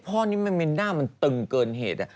พ่อนี้มันมีหน้ามันตึงเกินเหตุ